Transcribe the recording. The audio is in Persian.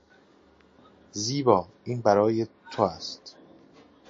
زیبا، این برای تو است.